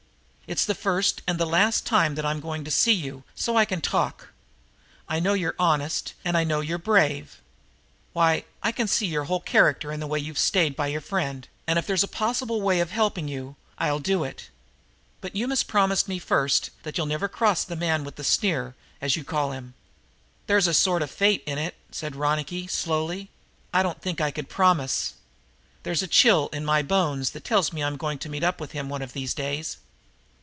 It's the first and the last time that I'm going to see you, so I can talk. I know you're honest, and I know you're brave. Why, I can see your whole character in the way you've stayed by your friend; and, if there's a possible way of helping you, I'll do it. But you must promise me first that you'll never cross the man with the sneer, as you call him." "There's a sort of a fate in it," said Ronicky slowly. "I don't think I could promise. There's a chill in my bones that tells me I'm going to meet up with him one of these days."